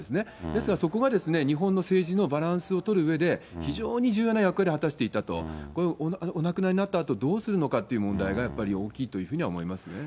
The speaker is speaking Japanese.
ですからそこが日本の政治のバランスを取るうえで、非常に重要な役割を果たしていたと、お亡くなりになったあと、どうするのかという問題が、やっぱり大きいというふうには思いますね。